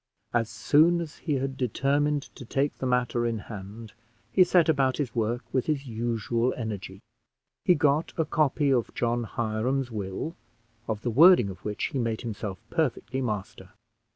As soon as he had determined to take the matter in hand, he set about his work with his usual energy. He got a copy of John Hiram's will, of the wording of which he made himself perfectly master.